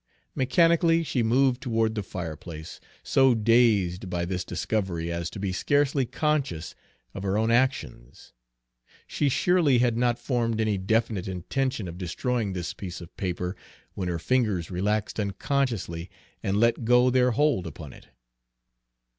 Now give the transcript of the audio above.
Mechanically she moved toward the fireplace, so dazed by this discovery as to be scarcely conscious of her own actions. She surely had not formed any definite intention of destroying this piece of paper when her fingers relaxed unconsciously and let go their hold upon it.